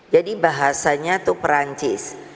jadi bahasanya itu perancis